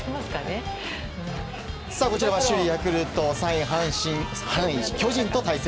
こちらは首位、ヤクルト３位の巨人と対戦。